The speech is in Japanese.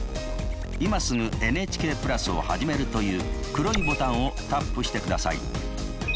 「今すぐＮＨＫプラスをはじめる」という黒いボタンをタップしてください。